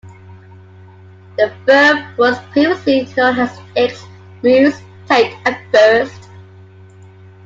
The firm was previously known as Hicks, Muse, Tate and Furst.